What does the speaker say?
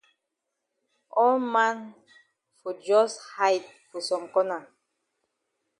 All man fon jus hide for some corner.